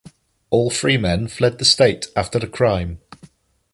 All three men fled the state after the crime.